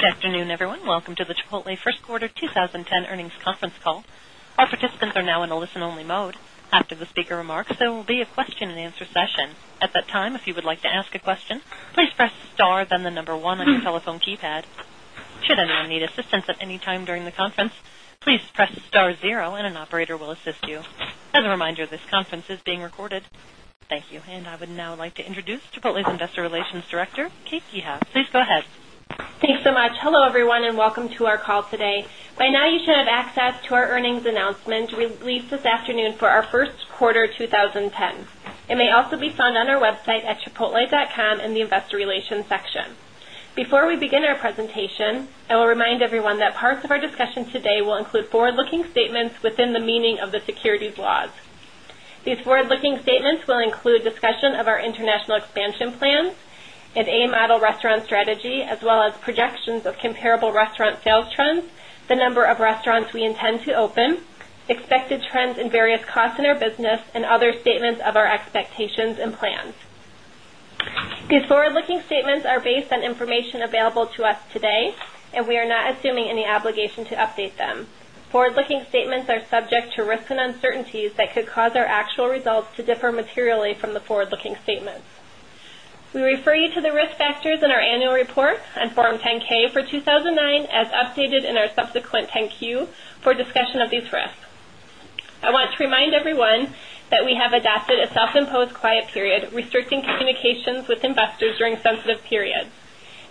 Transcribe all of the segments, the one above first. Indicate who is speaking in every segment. Speaker 1: afternoon, everyone. Welcome to the Chipotle First Quarter 2010 Earnings Conference Call. All participants are now in a listen only mode. After the speaker remarks, there will be a question and answer session. As a reminder, this conference is being recorded. Thank you. And I would now like to introduce Chipotle's Investor Relations Director, Kate Keha. Please go ahead. Thanks so much. Hello, everyone, and welcome to our call today. By now, you should have access to our earnings announcement released this afternoon for our Q1 2010. It may also be found on our website at chipotle.com in the Investor Relations section. Before we begin our presentation, I will remind everyone that parts of our discussion today will include forward looking statements within the meaning of the the strategy as well as projections of comparable restaurant sales trends, the number of restaurants we intend to open, expected trends in various costs in our business and other statements of our expectations and plans. These forward looking statements are based on information available to us today, and we are assuming any obligation to update them. Forward looking statements are subject to risks and uncertainties that could cause our actual results to differ materially from the forward looking statements. We refer you to the risk factors in our annual report on Form 10 ks for 2,009 as updated in our subsequent 10 Q for a discussion of these risks. I want to remind everyone that we have adopted a self imposed quiet period, restricting communications with investors during sensitive periods.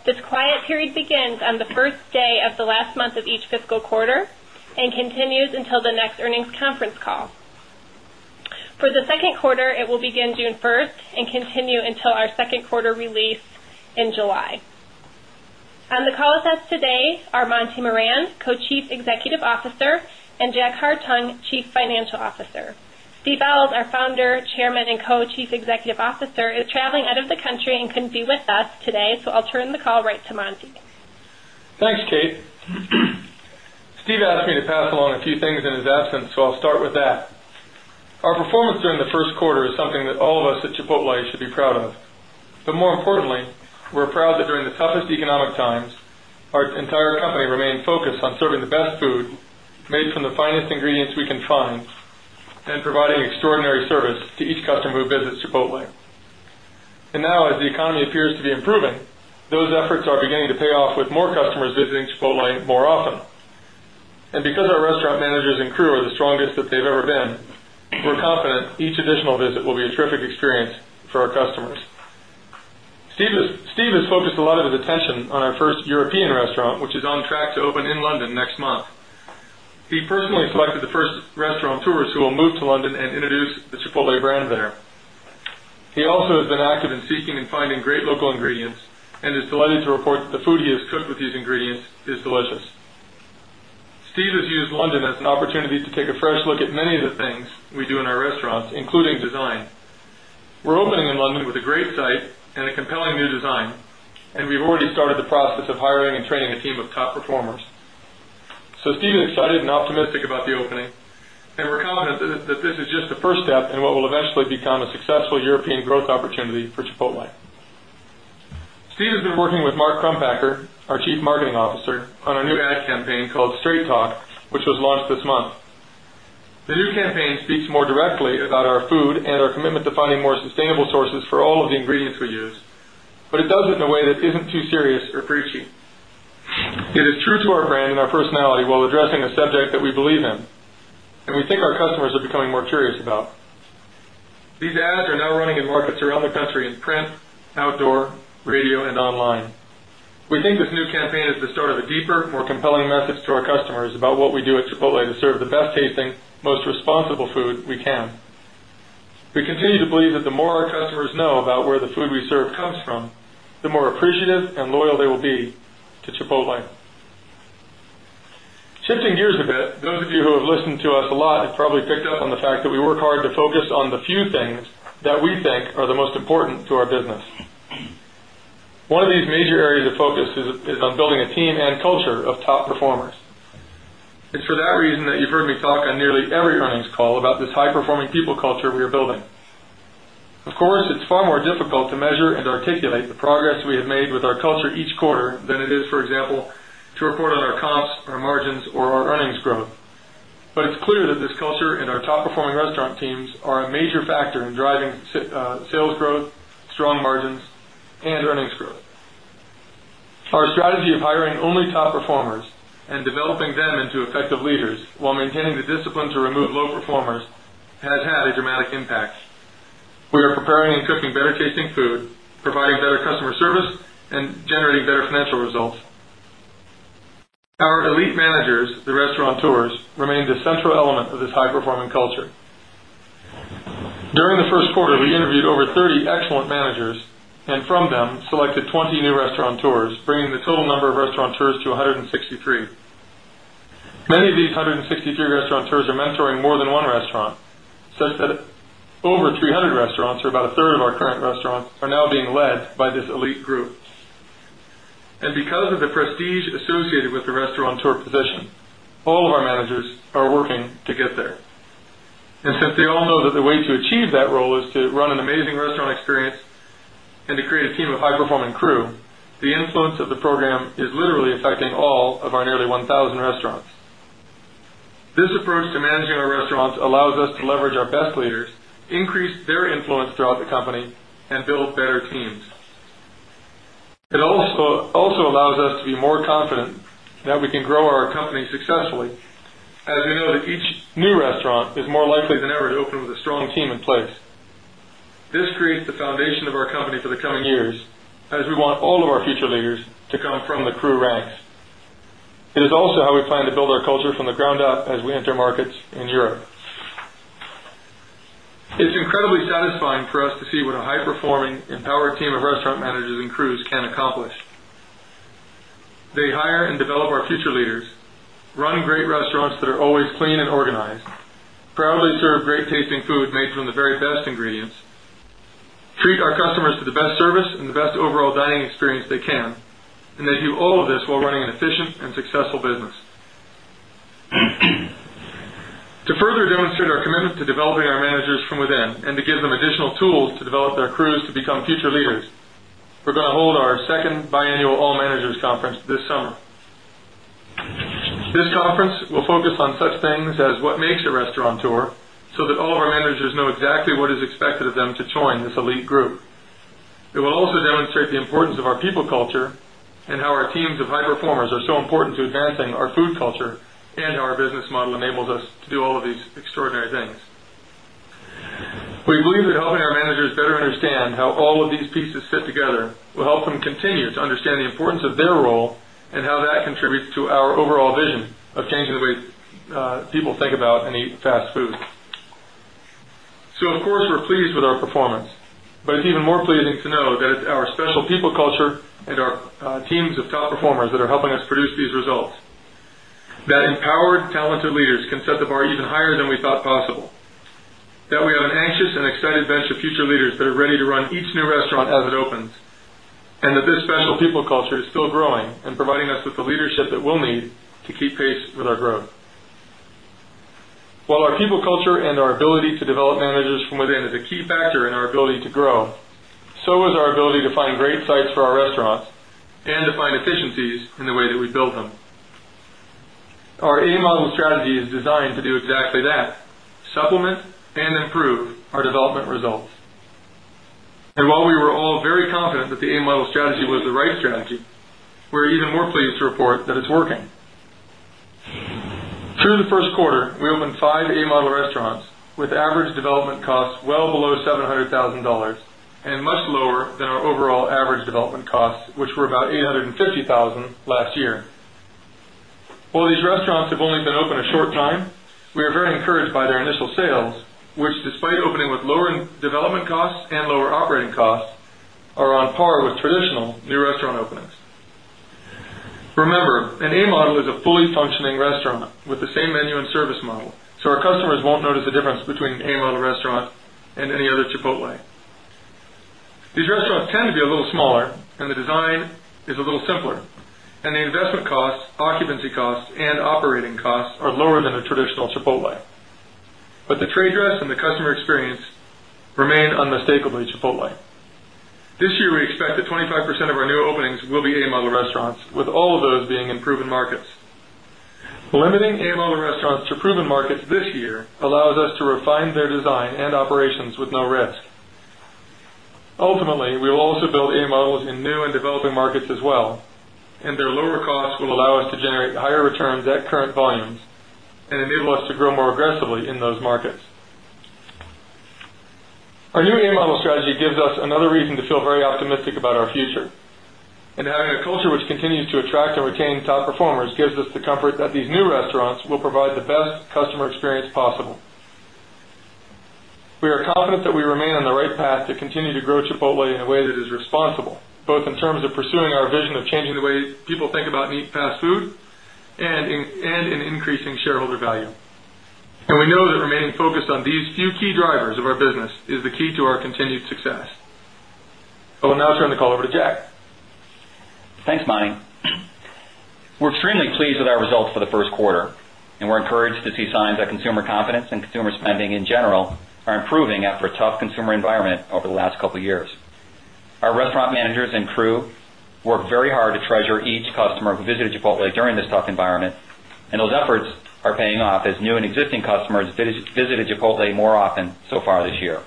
Speaker 1: This quiet period begins on the 1st day of the last month of each fiscal quarter and continues until the next earnings conference call. For the Q2, it will begin June 1 and continue until our Q2 release in July. On the call with us today are Monty Moran, Co Chief Executive Officer and Jack Hartung, Chief Financial Officer. Steve Founder, Chairman and Co Chief Executive Officer is traveling out of the country and couldn't be with us today. So I'll turn the call right to Monty.
Speaker 2: Thanks, Kate. Steve asked me to pass along a few things in his absence, so I'll start with that. Our performance during the Q1 is something that all of us at Chipotle should be proud of. But more importantly, we're proud that during the toughest economic times, our entire company remained focused on serving the best food made from the finest ingredients we can find and providing extraordinary service to each customer who visits Chipotlane. And now as the economy appears to be improving, those efforts are beginning to pay off with more customers visiting Chipotlane more often. And because our restaurant managers and crew are the strongest that they've ever been, we're confident each additional visit will be a terrific experience for our customers. Steve has focused a lot of his attention on our first European restaurant, which is on track to open in London next month. He personally selected the 1st restaurant tourist who will move to London and introduce the Chipotle brand there. He also has been active in seeking and finding great local ingredients and is delighted to report that the food he has cooked with these ingredients is delicious. Steve has used London as an opportunity to take a fresh look at many of the things we do in our restaurants, including design. We're opening in London with a great site and a compelling new design and we've already started the process of hiring and training a team of top performers. So Steve is excited and optimistic about the opening and we're confident that this is the first step in what will eventually become a successful European growth opportunity for Chipotle. Steve has been working with Mark Krumpacker, our Chief Marketing Officer on our new ad campaign called Straight Talk, which was launched this month. The new campaign speaks more directly our food and our commitment to finding more sustainable sources for all of the ingredients we use, but it does it in a way that isn't too serious or preachy. It is true to our brand and our personality while addressing a subject that we believe in. And we think our customers are becoming more curious about. These ads are now running in markets around the country in print, outdoor, radio and online. We think this new campaign is the start of a deeper, more compelling message to our customers about what we do at Chipotle to serve the best most responsible food we can. We continue to believe that the more our customers know about where the food we serve comes from, the more appreciative and loyal they will be to Chipotle. Shifting gears a bit, those of you who have listened to us a lot have probably picked up on the fact that we work hard to focus on the few things that we think are the most important to our business. One of these major areas of focus is on building a team and culture of top performers. It's for that reason that you've heard me talk on nearly every earnings call about this high performing people culture we are building. Of course, it's far more difficult to measure and articulate the progress we have made with our culture each quarter than it is for example to report on our comps, our margins or our earnings growth. But it's clear that this culture in our top performing restaurant teams are a major factor in driving sales growth, strong margins and earnings growth. Our strategy of hiring only top performers and developing them into effective leaders while maintaining the discipline to remove low performers has had a dramatic Our Our elite managers, the restauranteurs, remained a central element of this high performing culture. During the Q1, we interviewed over 30 excellent managers and from them selected 20 new restauranteurs, bringing the total number of restauranteurs to 163. Many of these 100 63 restaurateurs are mentoring more than 1 restaurant, such that over 300 restaurants or about a third of our current restaurants are now being led by this elite group. And because of the prestige associated with the restaurant tour position, all of our managers are working to get there. And since they all know that the way to achieve that role is to run an amazing restaurant experience and to create a team of high performing crew, the influence of the program is literally influence throughout the company and build better teams. It also allows us to be more confident that we can grow our company successfully. As we know that each new restaurant is more likely than ever to open with a strong team in place. This creates the foundation of our company for the coming years as we want all of our future leaders to come from the crew ranks. It is also how we plan to build our culture from the ground up as we enter markets in Europe. It's incredibly satisfying for us to see what a high performing empowered team of restaurant managers and crews can accomplish. They hire and develop our future leaders, run great restaurants that are always clean and organized, proudly serve great tasting food made from the very best ingredients, treat our customers to the best service and the best overall dining experience they can, and they do all of this while running an efficient and successful business. To further demonstrate our commitment to developing our managers from within and to give them additional tools to develop their crews to become future leaders, we're going to hold our 2nd biannual All Managers Conference this summer. This conference will focus on such things as what makes a restaurant tour, so that all of our managers know exactly what is expected of them to join this elite group. It will also demonstrate the importance of our people culture and how our teams of high performers are so important to advancing our food culture and our business model enables us to do all of these extraordinary things. We believe that helping our managers better understand how all these pieces fit together will help them continue to understand the importance of their role and how that contributes to our overall vision of changing the way people think about any fast food. So of course we're pleased with our performance, but it's even more pleasing to know that our special people culture and our teams of top performers that are helping us produce these results. That empowered talented leaders can set the bar even higher than we thought possible. That we have an anxious and excited venture future leaders that are ready to run each new restaurant as it opens. And that this special people culture is still growing and providing us with the leadership that we'll need to keep pace with our growth. While our people culture and our ability to develop managers from within is a key factor in our ability to grow, so is our ability to find great sites for our restaurants and to find efficiencies in the way that we build them. Our A Model strategy is designed to do exactly that, supplement and improve our development results. And while we were all very confident that the A Model strategy was the right strategy, we're even more pleased to report that it's working. Through the Q1, we opened 5 A Model restaurants with average development costs well below $700,000 and much lower than our overall average sales, which despite opening with lower development costs and lower operating costs are on par with traditional new restaurant openings. Remember, an A Model is a fully functioning restaurant with the same menu and service model, so our customers won't notice the difference between A Model restaurant and any other Chipotle. These restaurants tend to be a little smaller and the design is a little simpler and the investment costs, occupancy costs and operating costs are lower than a traditional Chipotle. But the trade dress and the customer experience remain unmistakable in Chipotle. This year, we expect that 25 of our new openings will be A Model restaurants with all of those being in proven markets. Limiting A Model restaurants to proven markets this year allows us to refine their design and operations with no risk. Ultimately, we will also build A models in new and developing markets as well and their lower cost will allow us to generate higher returns at current volumes and enable us to grow more aggressively in those markets. Our new A Model strategy gives us another reason to feel very optimistic about our future. And having a culture which continues to attract and retain top performers gives us the comfort that these new restaurants will provide the best customer experience possible. We are confident that we remain on the right path to continue to grow Chipotle in a way that is responsible, both in terms of pursuing our vision of changing the way people think about meat fast food and in increasing shareholder value. And we know that remaining focused on these few key drivers of our business is the key to our continued success. I will now turn the call over to Jack.
Speaker 3: Thanks, Mani. We're extremely pleased with our results for the Q1 and we're encouraged to see signs that consumer confidence and consumer spending in general are improving after a tough consumer after
Speaker 4: a tough consumer environment over
Speaker 3: the last couple of years. Our restaurant managers and crew work very hard to treasure each customer who visited Chipotle during this tough environment and those efforts are paying off as new and existing customers visited Chipotle more often so far this year.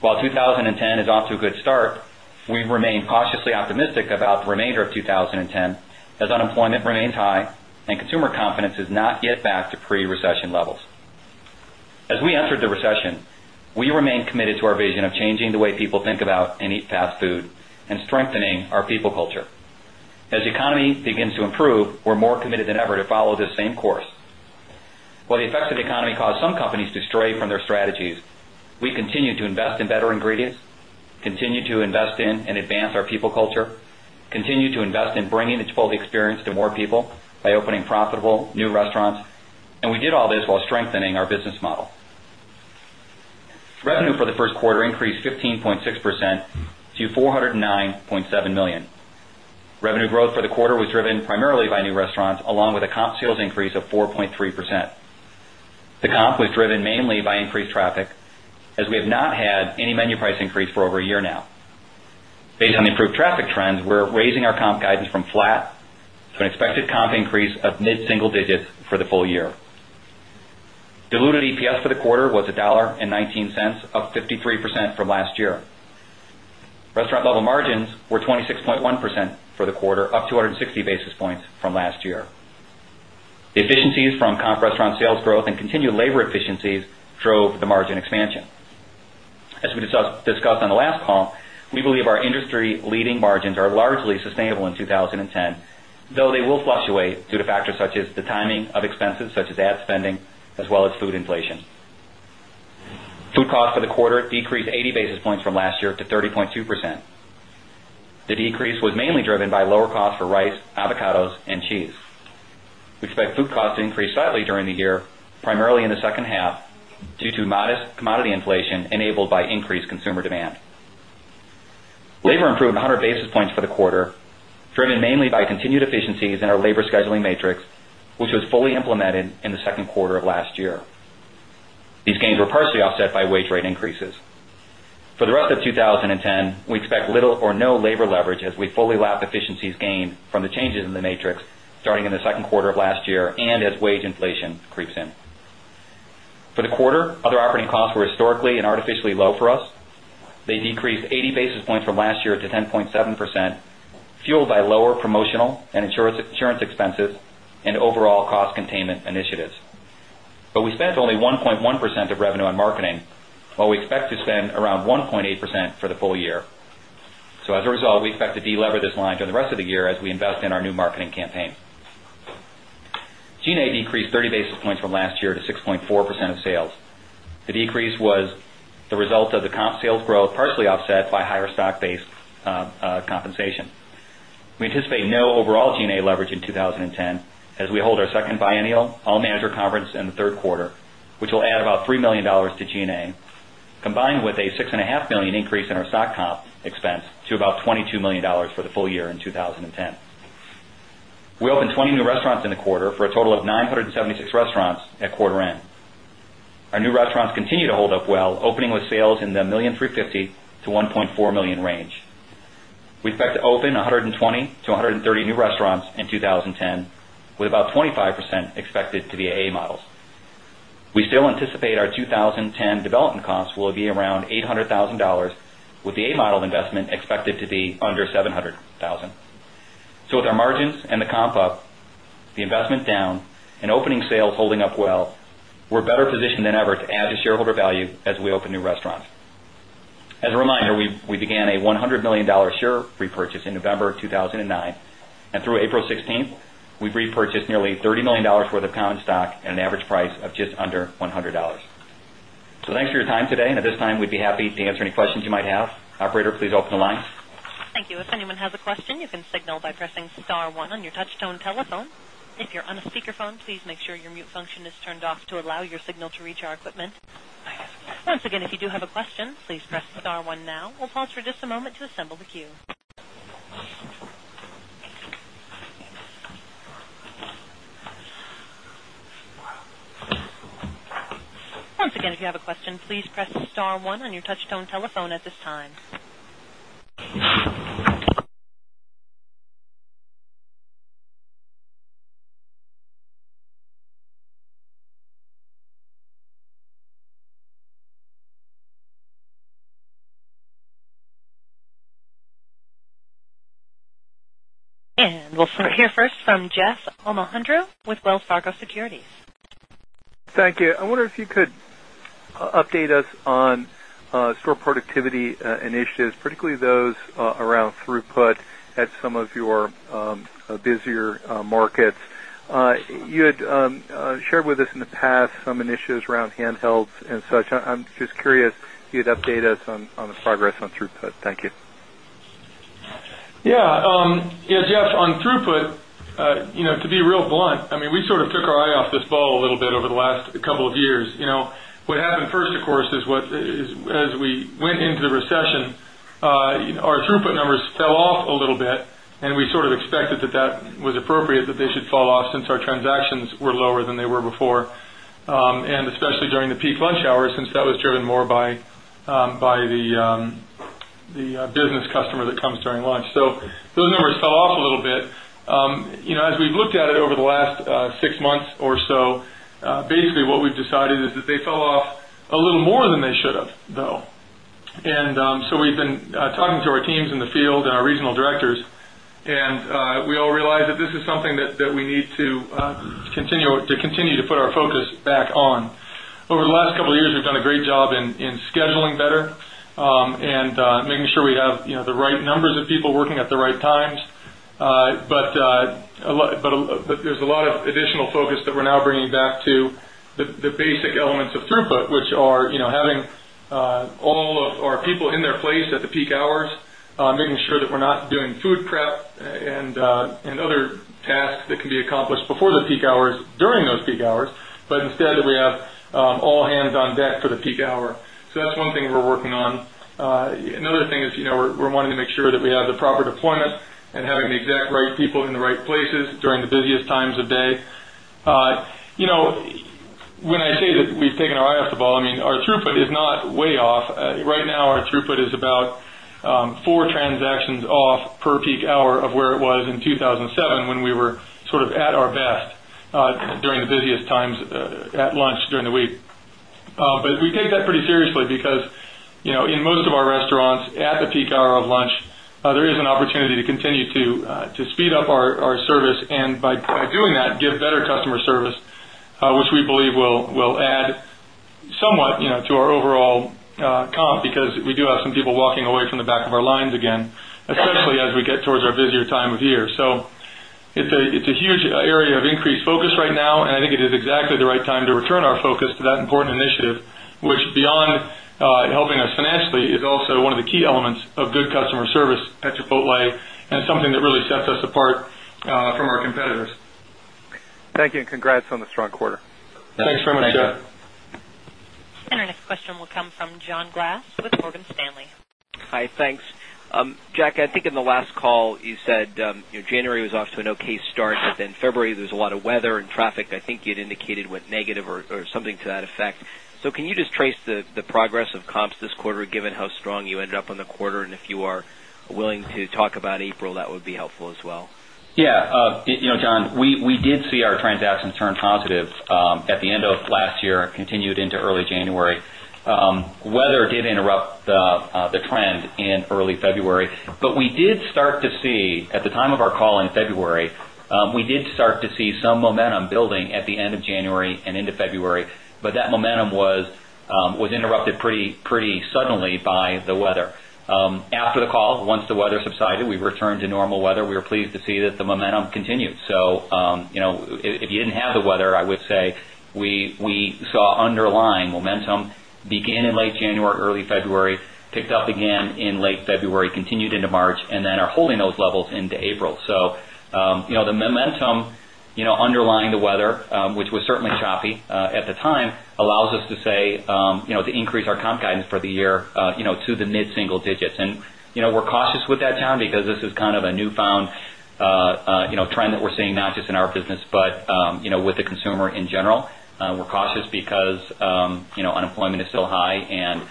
Speaker 3: While 2010 is off to a good start, we remain cautiously optimistic about the remainder of 2010 as unemployment remains high and consumer confidence is not yet back to pre recession levels. As we entered the recession, we remain committed to our vision of changing the way people think about and eat fast food and strengthening our people culture. As the economy begins to improve, we're more committed than ever to follow this same course.
Speaker 5: While the effects of the
Speaker 3: economy caused some companies to stray from their strategies, we continue to invest in better ingredients, continue to invest in and advance our people culture, continue to invest in bringing the 12 experience to more people by opening profitable new restaurants and we did all this while strengthening our business model. Revenue for the 1st quarter increased 15.6 percent to $409,700,000 Revenue growth for the quarter was driven primarily by new restaurants along with a comp sales increase of 4.3%. The comp was driven mainly by increased traffic as we have not had any menu price increase for over a a for the full year. Diluted EPS for the quarter was $1.19 up 53% from last year. Restaurant level margins were 26.1 percent for the quarter, up 2 60 basis points from last year. Efficiencies from comp restaurant sales growth and continued labor efficiencies drove the margin expansion. As we discussed on the last call, we believe our industry leading margins are largely sustainable in 20 10, though they will fluctuate due to factors such as the timing of expenses such as ad spending as well as food inflation. Food costs for the quarter decreased 80 basis points from last year to 30.2%. The decrease was mainly driven by lower costs for rice, avocados and cheese. We expect food cost to increase slightly during the year, primarily in the second half due to modest commodity inflation enabled by increased consumer demand. Labor improved 100 basis points for the quarter, driven mainly by continued efficiencies in our labor scheduling matrix, which was fully implemented in the Q2 of last year. These gains were partially offset by wage rate increases. For the rest of 2010, we expect little or no labor leverage as we fully lap efficiencies gained from the changes in the Q2 of last year and as wage inflation creeps in. For the quarter, other operating costs were historically and artificially low for us. They decreased 80 basis points from last year to 10.7 percent fueled by lower promotional and insurance expenses and overall cost containment initiatives. But we spent only 1.1% of revenue on marketing, while we expect to spend around 1.8% for the full year. So as a result, we expect to delever this line during the rest of the year as we invest in our new marketing campaign. G and A decreased 30 basis points from last year to 6.4 percent of sales. The decrease was the result of the comp sales growth partially offset by higher stock based compensation. We anticipate no overall G and A leverage in 2010 as we hold our 2nd Biennial All Manager Conference in the 3rd quarter, which will add about $3,000,000 to G and A combined with a $6,500,000 increase in our stock comp expense to about $22,000,000 for full year in 2010. We opened 20 new restaurants in the quarter for a total of 9 76 restaurants at quarter end. Our new restaurants continue to hold up well opening with sales in the $1,350,000 to $1,400,000 range. We expect to open 120 to 130 new restaurants in 2010 with about 25% expected to be A Models. We still anticipate our 20 10 development comps will be around $800,000 with the A Model investment expected to be under $700,000 So with our margins and the comp up, the investment down and opening sales holding up well, we're better positioned than ever to add to shareholder value as we open new restaurants. As a reminder, we began a $100,000,000 share repurchase in November of 2009 and through April 16th, we've repurchased nearly $30,000,000 worth of pound stock at an average price of just under $100 So thanks for your time today. And at this time, we'd be happy to answer any questions you might have. Operator, please open the line.
Speaker 1: And we'll hear first from Jeff Almejandra with Wells Fargo Securities.
Speaker 2: Thank you. I wonder if
Speaker 6: you could update us on store productivity initiatives, particularly around handhelds and such. I'm just curious if you'd update us on the progress on throughput. Thank you.
Speaker 2: Yes. Yes, Jeff, on throughput, to be real blunt, I mean we sort of took our eye off this ball a little bit over the last couple of years. What happened first of course is what is as we went into the recession, our throughput numbers fell off a little bit and we sort of expected that that was appropriate that they should fall off since our transactions were lower than they were before. And especially during the peak lunch hour since that was driven more by the business customer that comes during lunch. So those numbers fell off a little bit. As we've looked at it over the last 6 months or so, basically what we've decided is that they fell off a little more than they should have though. And so we've been talking to our teams in the field and our regional directors and we all realize that this is something that we need to continue to put our focus back on. Over the last couple of years, we've done a great job in scheduling better and making sure we have the right numbers of people working the right times. But there's a lot of additional focus that we're now bringing back to the basic elements of throughput, which are having all of our people in their place at the peak hours, making sure that we're not doing food prep and other tasks that can be accomplished before the peak hours, during those peak hours. But instead that we have all hands on deck for the peak hour. So that's one thing we're working on. Another thing is we're wanting to make sure that we have the proper deployment and having the exact right people in the right places during the busiest times of day. When I say that we've taken our eye off the ball, I mean our throughput is not way off. Right now our throughput is about 4 transactions off per peak hour of where it was in 2,007 when we were sort of at our best during the busiest times at lunch during the week. But we take that pretty seriously because you know in most of our restaurants at the peak hour of lunch, there is an opportunity to an opportunity to continue to speed up our service and by doing that give better customer service, which we believe will add somewhat to our overall comp because we do have some people walking away from the back of our lines again, especially as we get towards our busier time of year. So it's a huge area of increased focus right now and I think it is exactly the right time to return our focus to that important from our competitors. Thank you and congrats on the strong quarter. From our competitors.
Speaker 4: Thank you and congrats on the strong quarter.
Speaker 2: Thanks very much, Jeff.
Speaker 1: And our next question will come from John Glass with Morgan Stanley.
Speaker 7: Hi, thanks. Jack, I think in the last call you said January was off to an okay start, but then February there's a lot of weather and traffic I think you'd indicated you'd indicated with negative or something to that effect. So can you just trace the progress of comps this quarter given how strong you ended up on the quarter and if you are willing to talk about April
Speaker 3: that would be helpful as well? Yes. Weather did interrupt the trend and Weather did interrupt the trend in early February, but we did start to see at the time of our call in February, we did start to see some momentum building at the end of January and into February, but that momentum was interrupted pretty suddenly by the weather. After the call, once the weather subsided, we returned to normal weather. We were pleased to see that the momentum continues. So, if you didn't have the weather, I would say, we saw underlying momentum begin in late January, early February, picked up again in late February, continued into March and then are holding those levels into April. So, guidance for the year to the mid single digits. And we're cautious with that, John, because this is kind of a new found trend that we're seeing not just in our business, but with the consumer in general. We're cautious because unemployment is still high and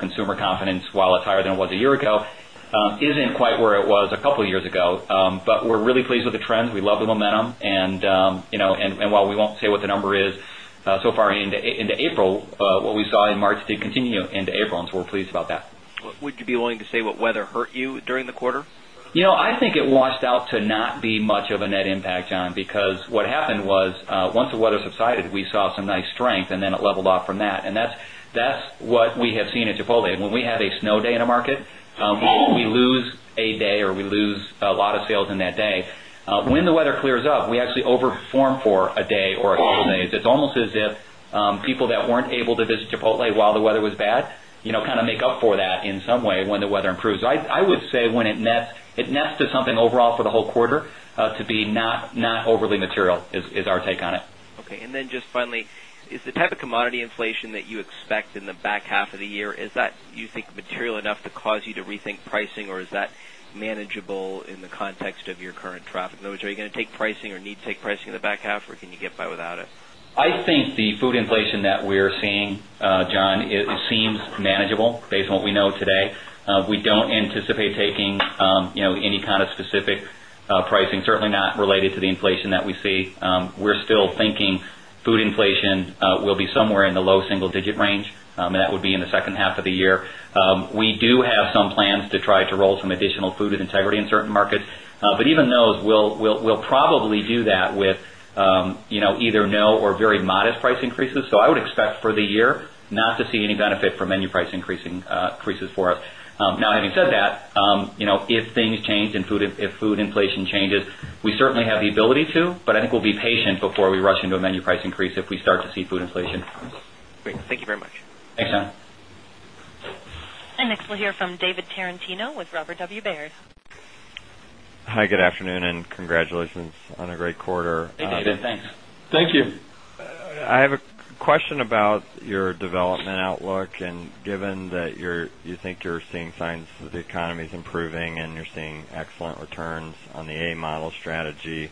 Speaker 3: consumer confidence, while it's higher than it was a year ago, isn't quite where it was a couple of years ago. But we're really pleased with the trends. We love the momentum and while we won't say what the number is so far into April, what we saw in March did continue into April. So we're pleased about that. Would you be willing
Speaker 7: to say what weather hurt you during the quarter?
Speaker 3: I think it washed out to not be much of a net impact, John, because what happened was once the weather subsided, we saw some nice strength and then it leveled off from that. And that's what we have seen at Chipotle. When we had a snow day in a market, we lose a day or we lose a lot of sales in that day. When the weather clears up, we actually over form for a day or a couple days. It's almost as if people that weren't able to visit Chipotle while the weather was bad, kind of make up for that in some way when the weather improves. I would say when it nets, it nets to something overall for the whole quarter to be not overly material is our take on it.
Speaker 7: Okay. And then just finally, is the type of commodity inflation that you expect in the half of the year, is that you think material enough to cause you to rethink pricing or is that manageable in the context of your current traffic? Those are you going to take pricing or need to take pricing in the back half or can you get by without it?
Speaker 3: I think the food inflation that we're seeing, John, it seems manageable based on what we know today. We don't anticipate taking any kind of specific pricing, certainly not related to the inflation that we see. We're still thinking food food inflation will be somewhere in the low single digit range and that would be in the second half of the year. We do have some plans to try to roll food and integrity in certain markets. But even those, we'll probably do that with either no or very modest price increases. So I would expect for the year not to see any benefit from menu price increases for us. Now having said that, if things change and food inflation changes, we certainly have the ability to, but I think we'll be patient before we rush into a menu price increase if we start to see food inflation.
Speaker 1: And next we'll hear from David Tarantino with Robert W. Baird.
Speaker 8: Hi, good afternoon and congratulations on a great quarter. I have a question about your development outlook and given that you think you're seeing signs that the economy is improving and you're seeing excellent returns on the A Model strategy,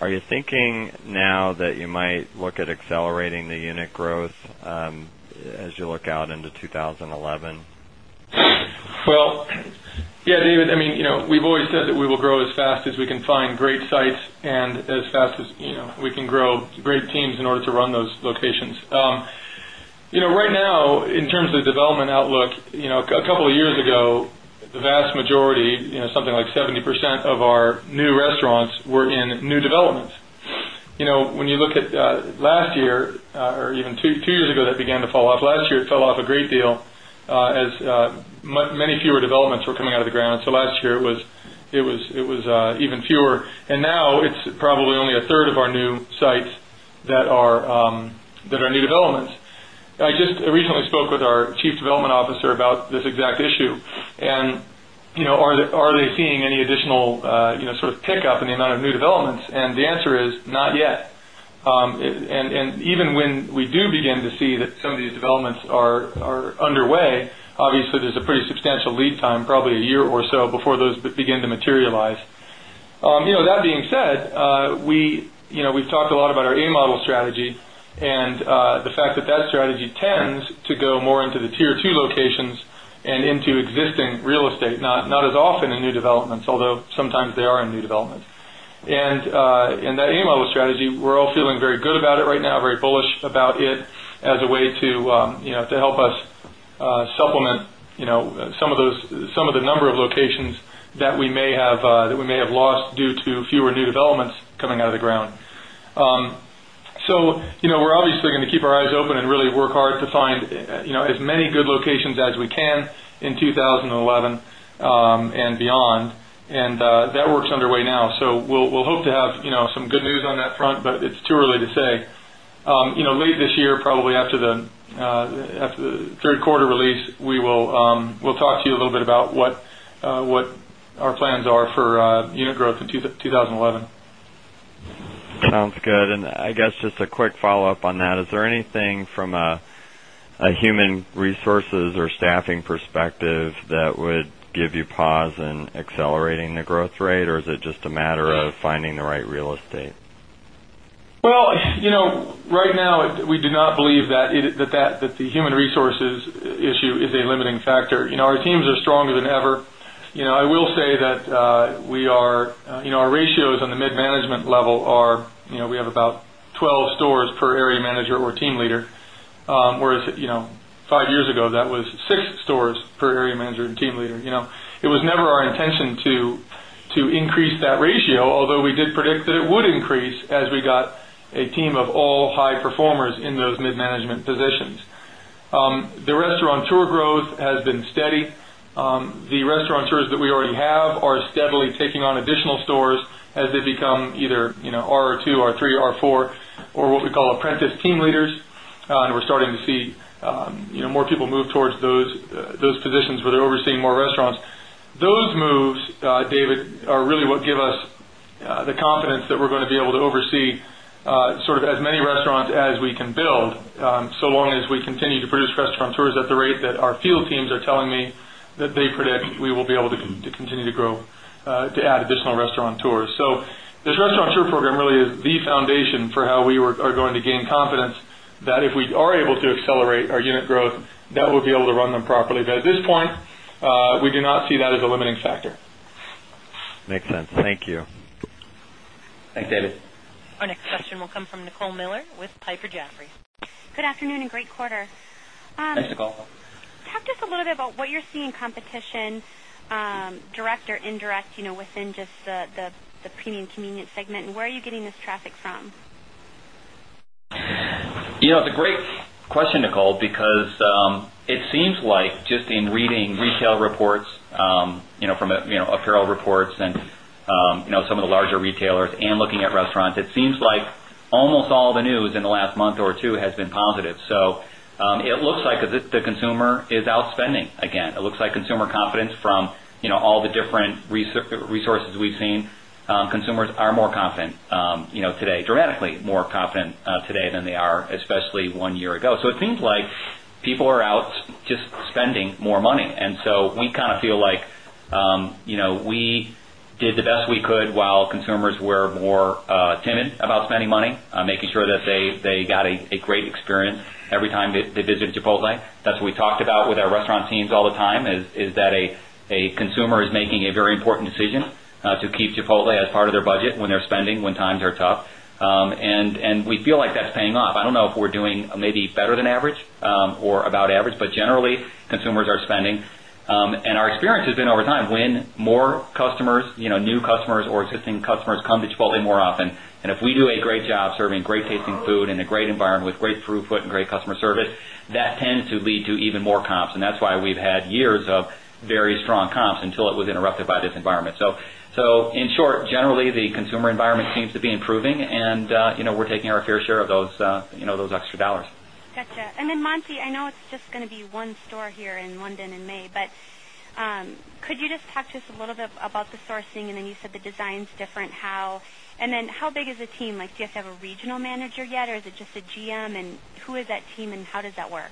Speaker 8: are you thinking now that you might look at accelerating the unit growth as you look out into 2011?
Speaker 2: Well, yes, David, I mean, we've always said that we will grow as fast as we can find great sites and as fast as we can grow great teams in order run those locations. Right now, in terms of development outlook, a couple of years ago, the vast we even 2 years ago that began to fall off, last year it fell off a great deal as many fewer developments were coming out of the ground. So last year it was about this exact issue. And are they seeing any additional sort of pickup in the amount of new developments? And the answer is not yet. And even when we do begin to see that some of these developments are underway, obviously there's a pretty substantial lead time probably a year or so before those begin to materialize. That being said, we've talked a lot about our A Model strategy and the fact that that strategy tends to go more into the Tier 2 locations and into existing real estate, not as often in new developments, although sometimes they are in new developments. And model strategy, we're all feeling very good about it right now, very bullish about it as a way to help us supplement some of the number of locations that we may have lost due to fewer new developments coming out of the ground. So we're good 2011 and beyond. And that works underway now. So we'll hope to have some news on that front, but it's too early to say. Late this year probably after the Q3 release, we will talk to you a little bit about what our plans are for unit growth in 2011.
Speaker 8: Sounds good. And I guess just a quick follow-up on that. Is there anything from a human resources or staffing perspective that would give you pause in accelerating the growth rate or is it just a matter of finding the right real estate?
Speaker 2: Well, right now, we do not believe that the human resources issue is a limiting factor. Our teams are stronger than ever. I will say that we are our ratios on the mid management level are we have about 12 stores per area manager or team leader, whereas 5 years ago that was 6 stores per area manager and team leader. It was never our intention to increase that ratio, although we did predict that it would increase as we got a team of all high performers in those mid management positions. The restaurant tour growth has been steady. The restaurant tours that we already have are steadily taking on additional stores as they become either R2, R3, R4 or what we call apprentice team leaders and we're starting to see more people move towards those positions where they're over seeing more restaurants. Those moves, David, are really what give us the confidence that we're going to be able to oversee sort of as many restaurants as we can build, so long as we continue to produce restaurant tours at the rate that our field teams are telling me that they predict we will be able to continue to grow to additional restaurant tours. So, this restaurant tour program really is the foundation for how we are going to gain confidence that if we are able to accelerate our unit growth that we'll be able to run them properly. But at this point, we do not see that as a limiting factor.
Speaker 8: Makes sense. Thank you.
Speaker 3: Thanks, David.
Speaker 1: Our next question will come from Nicole Miller with Piper Jaffray.
Speaker 9: Good afternoon and great quarter.
Speaker 3: Thanks, Nicole.
Speaker 4: Talk to us a little bit about
Speaker 9: what you're seeing competition direct or indirect within just the premium convenience segment? And where are you getting this traffic from?
Speaker 3: It's a great question, Nicole, because it seems like just in reading retail reports from apparel reports and some of the larger retailers and looking at restaurants, it seems like almost all the news in the last month or 2 has positive. So it looks like the consumer is outspending again. It looks like consumer confidence from all the different So it seems like people are out just spending more money. And so we kind of feel like we did the best we could while consumers were more timid about spending money, making sure that they got a great experience every time they visited Chipotle. That's what we talked about with our restaurant teams all the time is that a consumer is making a very important decision to keep Chipotle as part of their budget when they're spending when times are tough, and we feel like that's paying off. I don't know if we're doing maybe better than average or about average, but generally consumers are spending. And our experience has been over time, when more customers, new customers or existing customers come to Chipotle more often. And if we do a great job serving great tasting food in a great environment with great throughput and great customer service, that tends to lead to even more comps. And that's why we've had years of very strong comps until it was interrupted by this environment. So in short, generally the consumer environment seems to be improving and we're taking our fair share of those extra dollars.
Speaker 4: Got you. And then Monty,
Speaker 9: I know it's just going to be one store here in London
Speaker 4: in May,
Speaker 9: but could you just talk to us
Speaker 4: a little bit about the sourcing?
Speaker 9: And then you said the design is different how? And then how big is the team? Like do you guys have a regional manager yet or is it just a GM and who is that team and how does that work?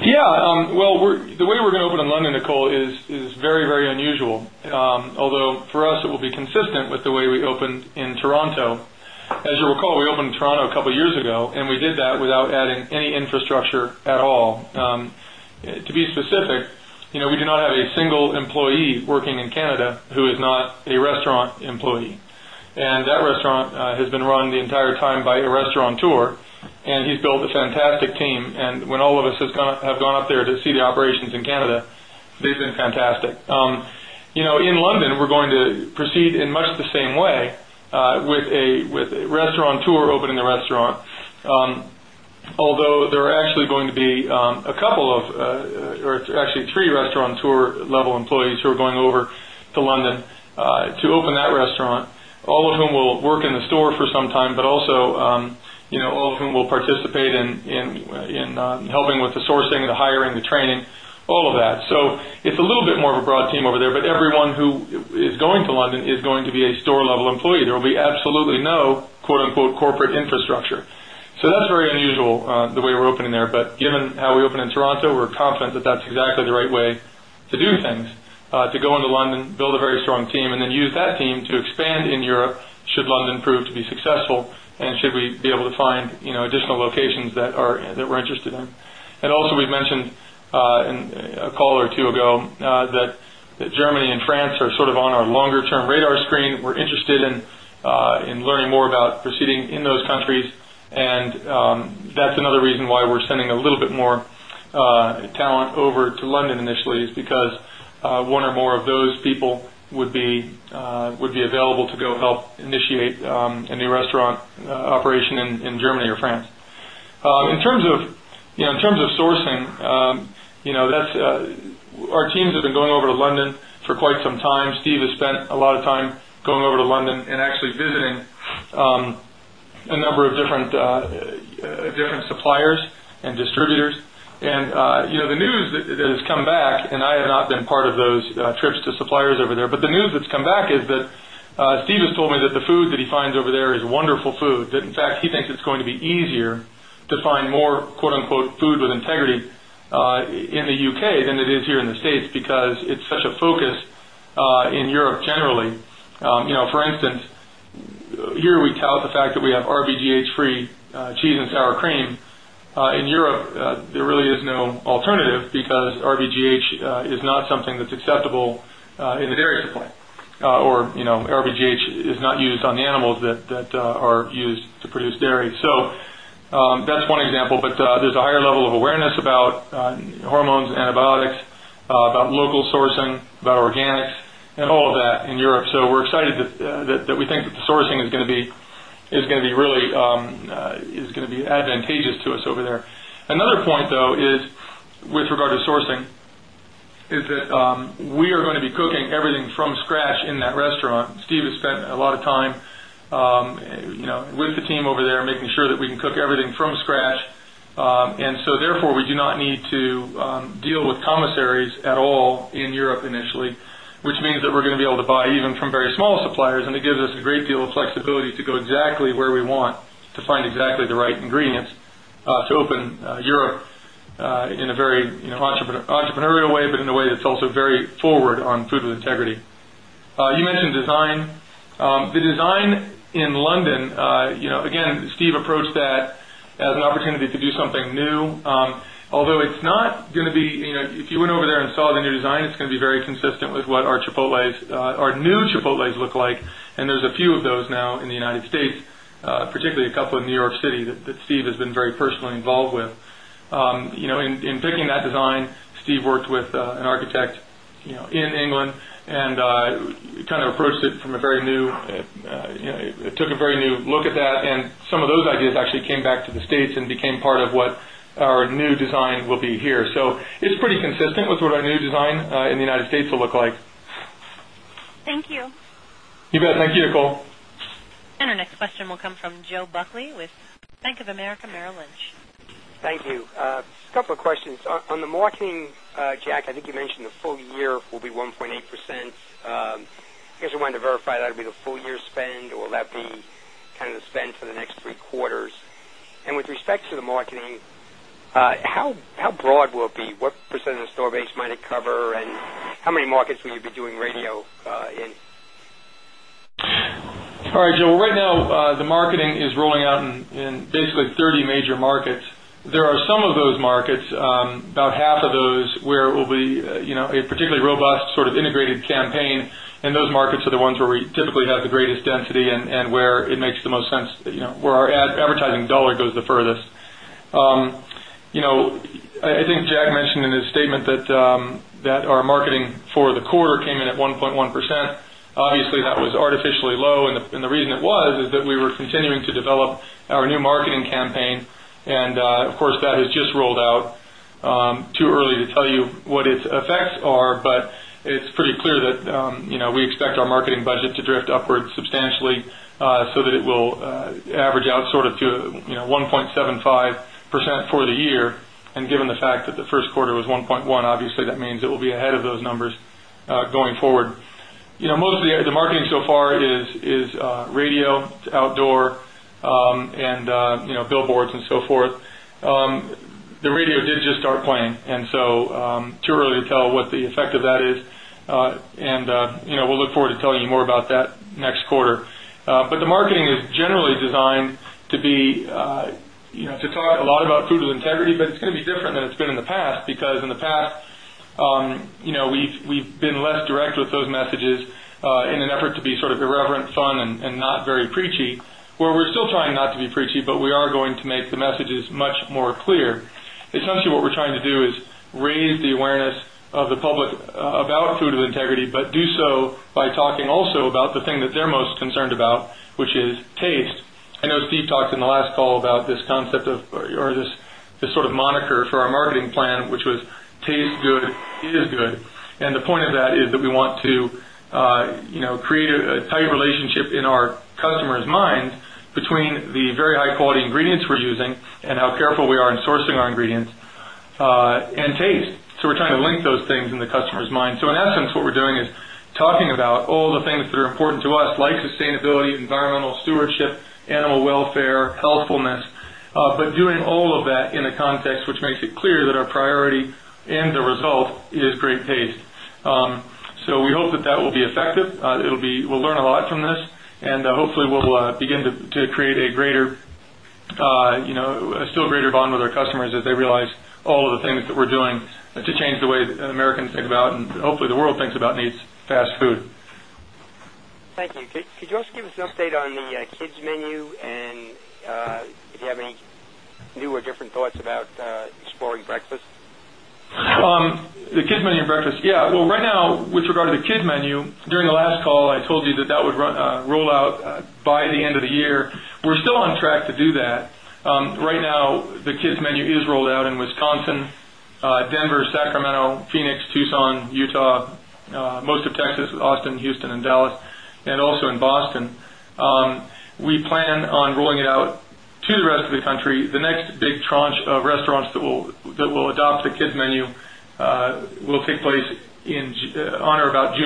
Speaker 2: Yes. Well, the way we're going to open in London Nicole is very, very unusual. Although for us, it will be consistent with the way we opened in Toronto. As you recall, we opened Toronto a couple of years ago and we did that without adding any infrastructure at all. To be specific, we do not have a single employee working in Canada who is not a restaurant employee. And that restaurant has been run the entire time by a restaurant tour and he's built a fantastic team and when all of us have gone up there to see the operations in Canada, they've been fantastic. In London, we're going to proceed in much the same way with a restaurant tour opening the restaurant. Although there are actually going to be a couple of or actually 3 restaurant tour level employees who are going over to London to open that restaurant, all of whom will work in the store for some time, but also all of whom will participate in helping with the sourcing, the hiring, the training, all of that. So it's a little bit more of a team over there, but everyone who is going to London is going to be a store level employee. There will be absolutely no corporate infrastructure. So that's very unusual the way we're opening there. But given how we open in Toronto, we're confident that that's exactly the right way to do things to into London, build a very strong team and then use that team to expand in Europe should London prove to be successful and should we be able to find additional locations that are that we're interested in. And also we've mentioned in a call or 2 ago that Germany and France are sort of on our longer term radar screen. We're interested in learning more about proceeding in those countries and that's another reason why we're sending a little bit more talent over to London initially is because 1 or more of those people would be available to go help initiate a new restaurant operation in Germany or France. In terms of sourcing, that's our teams have been going over to London for quite some time. Steve has spent a lot of time going over to London and actually visiting a number of different suppliers and distributors. And the news that has come back and I have not been part of those trips to suppliers over there, but the news that's come back is that Steve has told me that the food that he finds over there is wonderful food that in fact he thinks it's going to be easier to find more food with integrity in the U. K. Than it is here in the States because it's such a focus in Europe generally. For instance, here we tell the fact that we have RBGH free cheese and sour cream. In Europe, there really is no alternative because RVGH is not or RBGH is not used on the animals that are used to produce dairy. So that's one example, but there's a higher level of awareness about hormones, antibiotics, about local sourcing, about organics and all of that in Europe. So we're excited that we think that the sourcing is going to be really advantageous to us over there. Another point though is with regard to sourcing is that we are going to be cooking everything from scratch in that restaurant. Steve has spent a lot of time with the team over there making sure that we can cook everything from scratch. And so therefore, we do not need to deal with commissaries at all in Europe initially, which means that we're going to be able to buy even from very small suppliers and it gives us a great deal of flexibility to go exactly where we want to find exactly the right ingredients to open Europe in a very entrepreneurial way, but in a way that's also very forward on food and integrity. You something new. Although it's not going to be if you went over there and saw the new design, it's going to be very consistent with what our Chipotles our new Chipotles look like. And there's a few of those now in the United States, particularly a couple in New York City that Steve has been very personally involved with. In picking that design, Steve worked with an architect in England and kind of approached it from a very new took a very new look at that and some of those ideas actually came back to the States and became part of what our new design will be here. So it's pretty consistent with what our new design in the United States will look like.
Speaker 9: Thank you.
Speaker 2: You bet. Thank you, Nicole.
Speaker 1: And our next question will come from Joe Buckley with Bank of America Merrill Lynch.
Speaker 5: Thank you. A couple of questions. On the marketing, Jack, I think you mentioned the full year will 1.8%. I guess I wanted to verify that would be the full year spend or will that be kind of the spend for the next 3 quarters? And with respect to the marketing, how
Speaker 2: broad will it be?
Speaker 5: What percent of the store base might it cover? And how many markets will you be doing radio in?
Speaker 2: All right, Joe. Right now, the marketing is rolling out in basically 30 major markets. There are some of those markets, about half of those where it will be a particularly robust sort of integrated campaign and those markets are the ones where we typically have the greatest density and where it makes the most sense, where our advertising dollar goes the furthest. I think Jack mentioned in his statement that our marketing for the quarter came in at 1.1%. Obviously that was artificially low and the reason it was, is that we were continuing to develop our new marketing campaign and of course that has just rolled out. Too early to tell you what its effects are, but it's pretty clear that we expect our marketing budget to drift upward substantially, so that it will average out sort of to 1 point 7 5% for the year. And given the fact that the Q1 was 1.1, obviously that means it will be ahead of those numbers going forward. You know, mostly the marketing so far is radio, outdoor and billboards and so forth. The radio did just start playing and so too early to tell what the effect of that is. And we'll look forward to telling you more about that next quarter. But the marketing is generally designed to be to talk a lot about food with integrity, but it's going to be different than it's been in the past because in the past we've been less direct with those messages in an effort to be sort of irreverent fun and not very preachy, where we're still trying not to be preachy, but we are going to make the messages much more clear. Essentially what we're trying to do is raise of the public about food integrity, but do so by talking also about the thing that they're most concerned about, which is taste. I know Steve talked in the last call about this concept of or this sort of moniker for our marketing plan, which was taste good, is good. And the point of that is we want to create a tight relationship in our customers' minds between the very high quality ingredients we're using and how careful we are in source our ingredients and taste. So we're trying to link those things in the customer's mind. So in essence, what we're doing is talking about all the things that are important to us like important to us like sustainability, environmental stewardship, animal welfare, healthfulness, but doing all of that in a context which makes it clear that our priority and the result is great pace. So we hope that that will be effective. It will be we'll learn a lot from this and hopefully we'll begin to create a greater still greater bond with our customers as they realize all of the things that we're doing to change the way Americans think about and hopefully the world thinks about needs fast food.
Speaker 5: Thank you. Could you also give us an update on the kids menu and if you have any new or different thoughts about exploring breakfast?
Speaker 2: The kids menu and breakfast, yes. Well, right now with regard to the kids menu, during the last call I told you that that would roll out by the end of the year. We're still on track to do that. Right now the kids menu is rolled out in Wisconsin, Denver, Sacramento, Phoenix, Tucson, Utah, most of Texas, Austin, Houston and Dallas and also in Boston. We plan on rolling it out to the rest of the country. The next big tranche of restaurants that will adopt
Speaker 4: the kids menu will
Speaker 2: take place on or about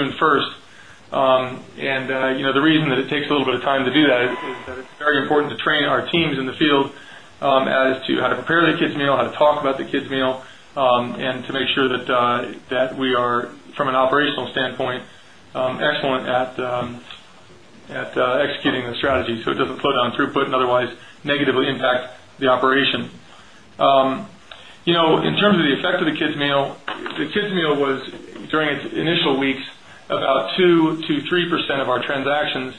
Speaker 2: little bit of time to do that is that it's very important to train our teams in the field, takes a little bit of time to do that is
Speaker 5: that it's
Speaker 2: very important to train our teams in the field as to how to prepare the kids meal, how to talk about the kids meal and to make sure that we are from an operational standpoint, excellent at executing the strategy. So it doesn't put on throughput and otherwise negatively impact the operation. In terms of the effect of the kids meal, the kids meal was during its initial weeks about 2% to 3% of our transactions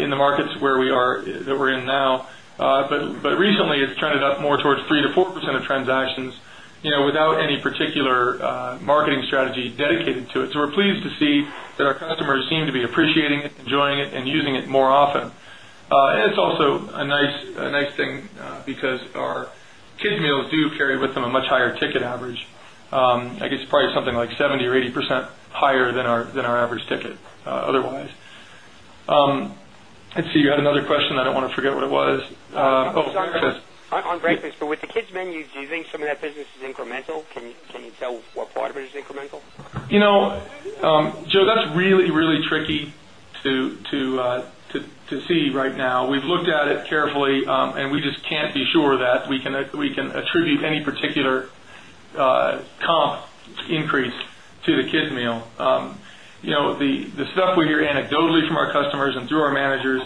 Speaker 2: in the markets where we are that we're in now. But recently it's trended up more towards 3% to 4% of transactions without any particular marketing strategy dedicated to it. So we're pleased to see that our customer seem to be appreciating it, enjoying it and using it more often. And it's also a nice thing because our kids meals do carry with them a much higher ticket average. I guess probably something like 70% or 80% higher than our average ticket otherwise. I see you had another question that I want to forget what it was.
Speaker 5: On breakfast, but with the kids menu, do you think some of that business is incremental? Can you tell what part of it is incremental?
Speaker 2: Joe, that's really, really tricky to see right now. We've looked at it carefully and we just can't be sure that we can attribute any particular comp increase to the kids meal. The stuff we hear anecdotally from our customers and through our managers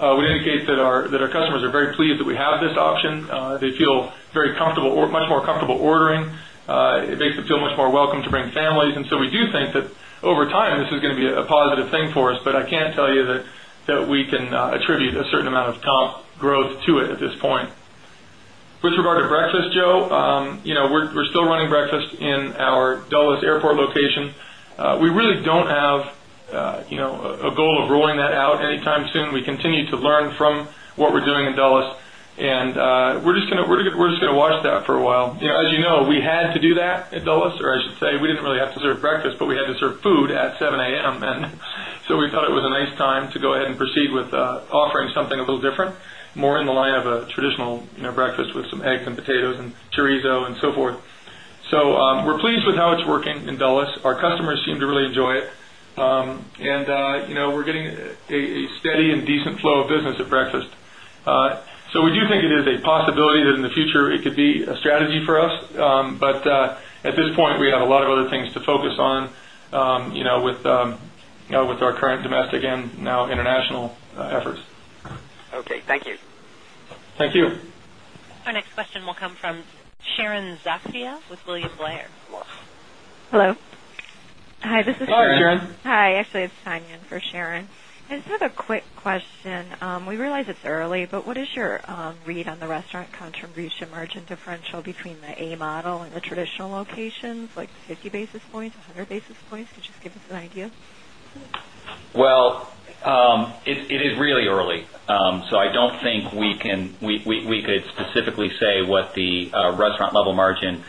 Speaker 2: would indicate that our customers are very pleased that we have this option. They feel very comfortable or much more comfortable ordering. It makes them feel much more welcome to bring families. And so we do think that over time this is going to be a positive thing for us, but I can't tell you that we can attribute a certain amount of comp growth to it at this point. With regard to breakfast, Joe, we're still running breakfast in our Dulles Airport location. We really don't have a goal of rolling that out anytime soon. We continue to learn from what we're doing in Dulles. And we're just going to watch that for a while. As you know, we had to do that at Dulles or I should say, we didn't really have to serve breakfast, but we had to serve food at 7 am. And so we thought it was a nice time to go ahead and proceed with offering something a little different, more in the line of a traditional breakfast with some eggs and potatoes and chorizo and so forth. So we're pleased with how it's working in Dallas. Our customers seem to really enjoy it. And we're getting a steady and decent flow of business at breakfast. So we do think it is a possibility that in future it could be a strategy for us. But at this point we have a lot of other things to focus on with our current domestic and now international efforts.
Speaker 5: Okay. Thank you.
Speaker 2: Thank you.
Speaker 1: Our next question will come from Sharon Zackfia with William Blair.
Speaker 4: Hello. Hi, Sharon. Hi, Sharon. Hi. Actually, it's Tanya in for Sharon. I just a quick question. We realize it's early, but what is your read on
Speaker 1: the restaurant contribution margin differential between the A model and the traditional locations like 50 basis points, 100 basis points, could you
Speaker 4: just give us an idea?
Speaker 3: Well, it is really early. So I don't think we could specifically say what the restaurant level margin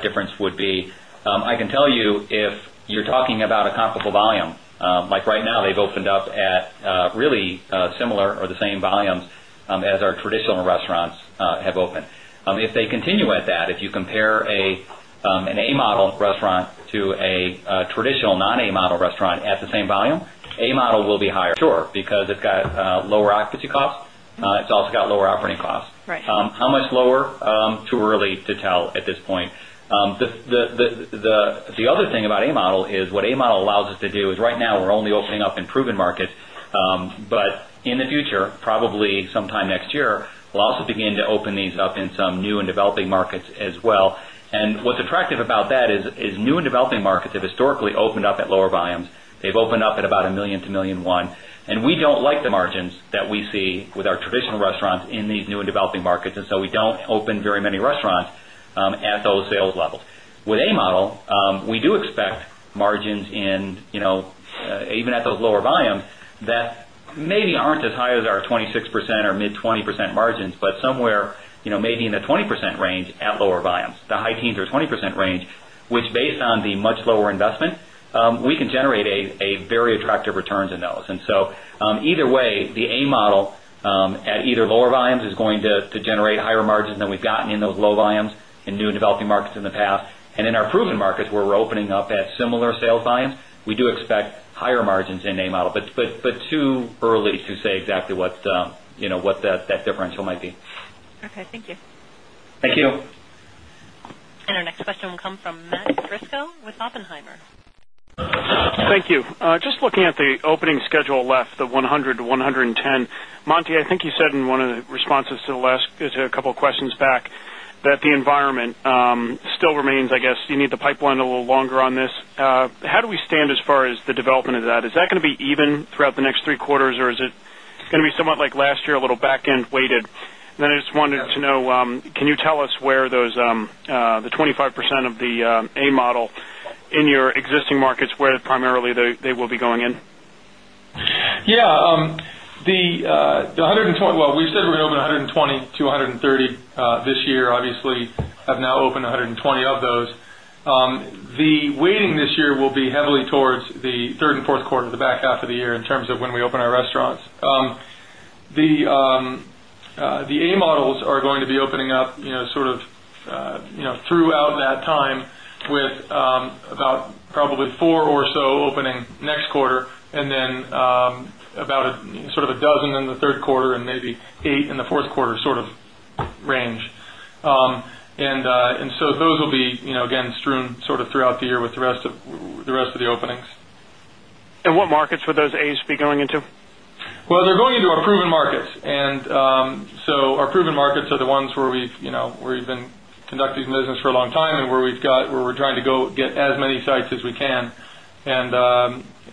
Speaker 3: difference would be. I can tell you if you're talking about a comparable volume, like right now they've opened up at really similar or the same volumes as our traditional restaurants have opened. If they continue at that, if you compare an A Model restaurant to a traditional non A Model restaurant at the same volume, A Model will be higher, sure, because it's got lower occupancy costs. It's also got lower operating costs. How much lower? Too early to tell at this point. The other thing about A Model is what A Model allows us to do is right now we're only opening up in proven markets. But in the future, probably sometime next year, we'll also begin to open these up in some new and developing markets as well. And what's attractive about that is new and developing markets have historically opened up at lower volumes. They've opened up at about $1,000,000 to $1,100,000 and we don't like the margins that we see with our traditional restaurants in these new and developing markets, and so we don't open very many restaurants at those sales levels. With A Model, we do expect margins even at those lower volumes that maybe aren't as high as our 26% or mid-twenty percent margins, but somewhere maybe in the 20% range at lower volumes, the high teens or 20% range, which based on the much lower investment, we can generate very attractive returns in those. And so either way, the A model at either lower volumes is going to generate higher margins than we gotten in those low volumes in new and developing markets in the past. And in our proven markets where we're opening up at similar sales volumes, we do expect higher margins in A Model, but too early to say exactly what that differential might be.
Speaker 1: And our next question will come from Matt Driscoll with Oppenheimer.
Speaker 10: Just looking at the opening schedule left, the 100 to 100 and 10, Monty, I think you said in one of the responses to the last couple of questions back that the environment still remains, I guess, you need the pipeline a little longer on this. How do we stand as far as the development of that? Is that going to be even throughout the next three quarters? Or is it going to be somewhat like last year, a little back end weighted? And then I just wanted to know, can you tell us where those the 25% of the A model in your existing markets where primarily they will be going in?
Speaker 2: Yes. The 120 well, we said we're going to open 120 to 130 this year, obviously have now opened 120 of those. The weighting this year will be heavily towards the 3rd Q4, the back half of year in terms of when we open our restaurants. The A models are going to be opening up sort of throughout that time with about probably 4 or so opening next quarter and then
Speaker 4: about sort
Speaker 2: of a dozen in the 3rd quarter and maybe 8 in the 4th quarter sort of range. And so those will be again strewn sort of throughout the year with the rest of the openings.
Speaker 10: And what markets would those A's be going into?
Speaker 2: Well, they're going into our proven markets. And so our proven markets are the ones where we've been conducting business for a long time and where we've got where we're trying to go get as many sites as we can. And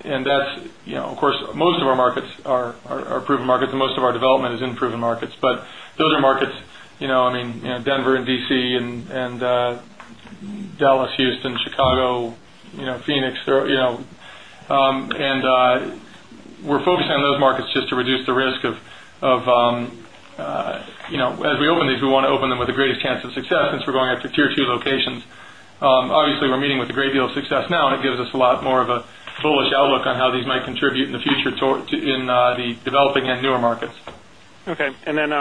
Speaker 2: that's of course, most of our our markets are proven markets and most of our development is in proven markets. But those are markets, I mean, Denver and D. C. And Dallas, Dallas, Houston, Chicago, Phoenix. And we're focusing on those markets just to reduce the of as we open these, we want to open them with the greatest chance of success since we're going after Tier 2 locations. Obviously, we're meeting with a great deal of success now and it gives us a lot more of a bullish outlook on how these might contribute in the future in the developing and newer markets.
Speaker 10: Okay. And then,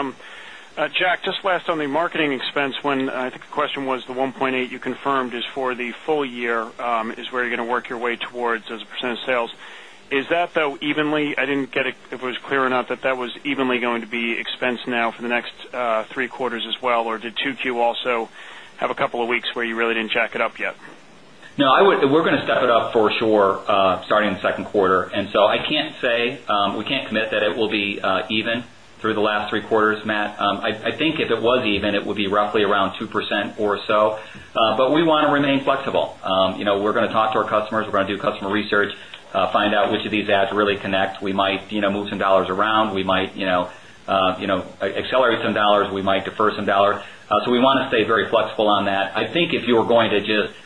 Speaker 10: Jack, just last on the marketing expense, when I think the question was the 1.8%, you confirmed is for the full year is where you're going to work your way towards as a percent of sales. Is that though evenly I didn't get it if it was clear enough that that was evenly going to be expensed now for the next three quarters as well or did 2Q also have a couple of weeks where you really didn't jack it up yet?
Speaker 3: No, I would we're going to step it up for sure starting in Q2. And so I can't say we can't commit that it will be even through the last three quarters, Matt. I think if it was even, it would be roughly around 2% or so. But we want to remain flexible. We're going to talk to our customers. We're going to do customer research, find out which of these ads really connect. We might move some dollars around. We might accelerate some dollars. We might defer some dollars. So, we want to stay very flexible on that. I think if you were going to just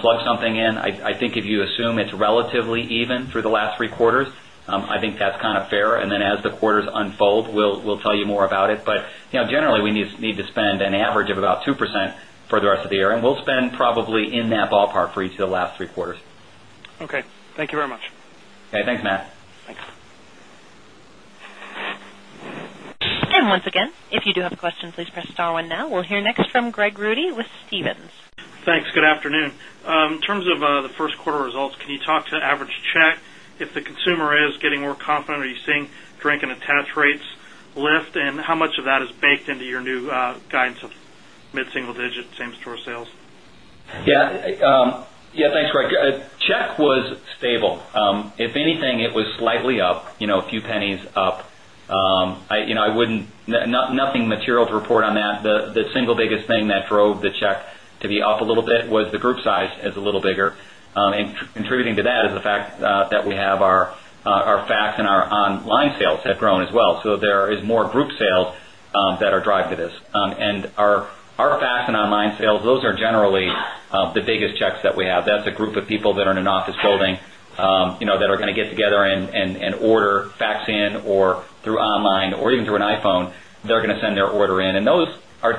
Speaker 3: plug something in, I think if you assume it's relatively even through the last three quarters, I think that's kind of fair. And then as the quarters unfold, we'll tell you more about it. But generally, we need to spend an average of about 2% for the rest of the year and we'll spend probably in that ballpark for each of the last three quarters.
Speaker 10: Okay. Thank you very much.
Speaker 3: Okay. Thanks, Matt. Thanks.
Speaker 1: We'll hear next from Greg Roody with Stephens.
Speaker 10: Thanks. Good afternoon. In terms of the Q1 results, can you talk to average check if the consumer is getting more confident? Are you seeing drinking attendance rates lift? And how much of that is baked into your new guidance of mid single digit same store sales?
Speaker 3: Yes. Thanks, Greg. Check was stable. If anything, it was slightly up, a few pennies up. I wouldn't nothing material to report on that. The single biggest thing that drove the check to be up a little bit was the group size is a little bigger. And contributing to that is the fact that we have our fax and our online sales have grown as well. So there is more group sales that are driving this. And our fax and online sales, those are generally the biggest checks that we have. That's a group of people that are in an office building that are going to get together and order, fax in or through online or even through an iPhone, they're going to send their order in. And those are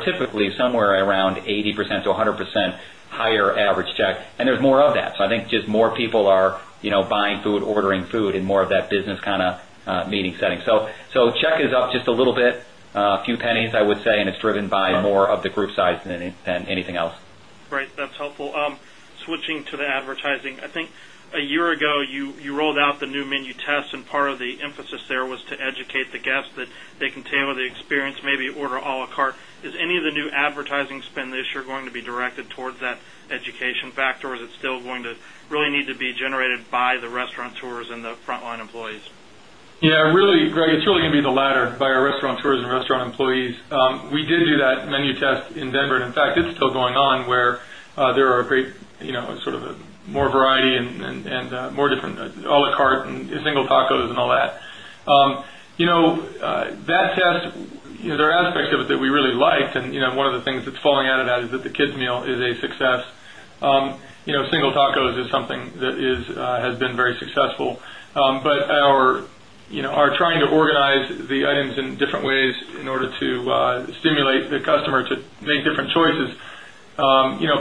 Speaker 3: meeting setting. So check is up just a little bit, a few pennies I would say and it's driven by more of the group size than anything else.
Speaker 10: Switching to the advertising, I think a year ago you rolled out the new menu test and part of the emphasis there was to educate factor or is it still going to really need to be generated by the restaurant tours and the frontline employees?
Speaker 2: Yes, really Greg, it's really going to be the latter by restaurant tours and restaurant employees. We did do that menu test in Denver. In fact, it's still going on where there are great sort of a more variety and more different a la carte and single tacos and all that. That test, there are aspects of it we really liked and one of the things that's falling out of that is that the kids meal is a success. Single tacos is something that is has been very successful. But our trying to organize the items in different ways in order to stimulate the customer to make different choices.